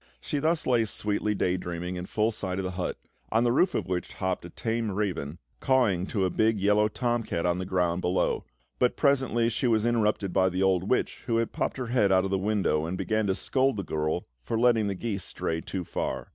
She lay thus sweetly day dreaming in full sight of the hut, on the roof of which hopped a tame raven cawing to a big yellow tom cat on the ground below; but, presently, she was interrupted by the old witch, who popped her head out of the window and began to scold the girl for letting the geese stray too far.